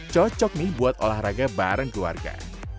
cocok nih buat olahraga bareng keluarga